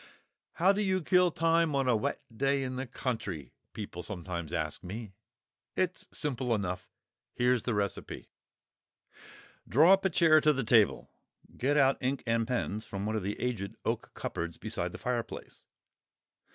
"How do you kill time on a wet day in the country?" people sometimes ask me. It's simple enough. Here is the recipe: * Draw up a chair to the table; get out ink and pens from one of the aged oak cupboards beside the fireplace.